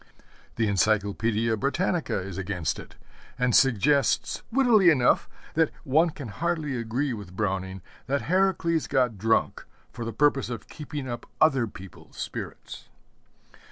The Encyclopædia Britannica is against it, and suggests, wittily enough, that one can hardly agree with Browning that Heracles got drunk for the purpose of keeping up other people's spirits.